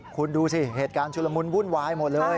คุณดูสิเหตุการณ์ชุลมุนวุ่นวายหมดเลย